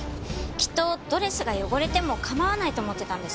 きっとドレスが汚れても構わないと思っていたんです。